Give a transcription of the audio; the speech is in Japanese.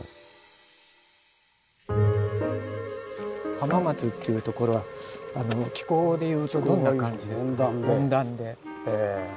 浜松っていう所は気候でいうとどんな感じですか？